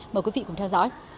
mời quý vị cùng theo dõi